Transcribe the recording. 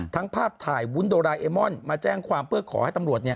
ภาพถ่ายวุ้นโดราเอมอนมาแจ้งความเพื่อขอให้ตำรวจ